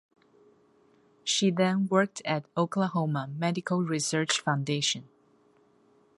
She then worked at Oklahoma Medical Research Foundation.